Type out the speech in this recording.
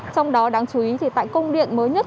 trong đó đáng chú ý thì tại công điện mới nhất